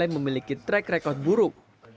memiliki track record buruk